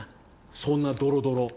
そんなドロドロ。